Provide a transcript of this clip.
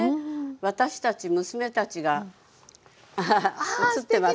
私たち娘たちがアハハ写ってますね。